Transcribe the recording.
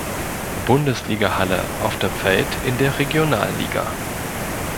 Bundesliga Halle, auf dem Feld in der Regionalliga.